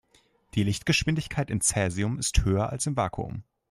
Die Lichtgeschwindigkeit in Cäsium ist höher als im Vakuum.